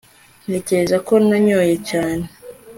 ntekereza ko nanyoye cyane